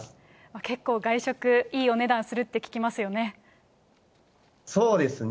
結構外食、いいお値段するって聞きますよね。